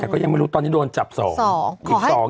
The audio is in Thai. แต่ก็ยังไม่รู้ตอนนี้โดนจับ๒อีก